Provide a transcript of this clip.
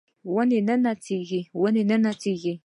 ونې نڅیږي ونې نڅیږي